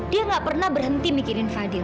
dia gak pernah berhenti mikirin fadil